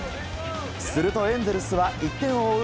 するとエンゼルスは１点を追う